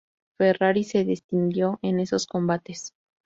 Ferrari se distinguió en esos combates.